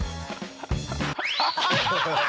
ハハハハ！